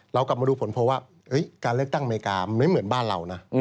เรากลับมาดูผลเพราะว่าการเลือกตั้งอเมริกามันไม่เหมือนบ้านเรานะ